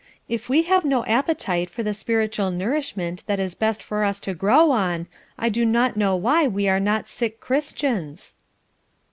If we have no appetite for the spiritual nourishment that is best for us to grow on, I do not know why we are not sick Christians?"